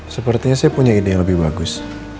sepertinya saya punya ide yang lebih bagus